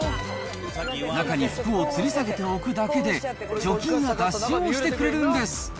中に服をつり下げておくだけで、除菌や脱臭もしてくれるんです。